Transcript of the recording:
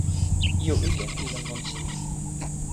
ijo ike li lon monsi mi.